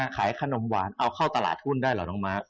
ขายขนมหวานเอาเข้าตลาดหุ้นได้เหรอน้องมาร์ค